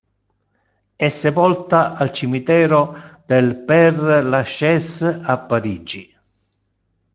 È sepolta al cimitero del Père Lachaise, a Parigi.